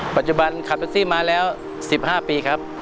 ปัจจุบันขับแท็กซี่มาแล้ว๑๕ปีครับ